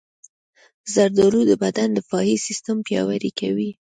زردالو د بدن دفاعي سیستم پیاوړی کوي.